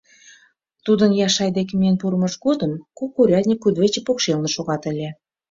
Тудын Яшай деке миен пурымыж годым кок урядник кудывече покшелне шогат ыле.